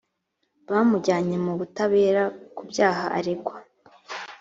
bamujyanye mu butabera ku byaha aregwa